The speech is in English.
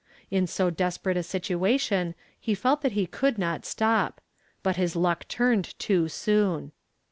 In so desperate a situation he felt that he could not stop. But his luck turned too soon.